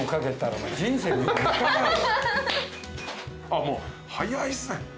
あっもう早いっすね。